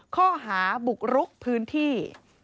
ข้อหาบุกรุกพื้นที่